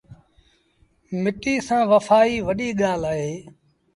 مٽيٚ سآݩ وڦآئيٚ وڏي ڳآل اهي۔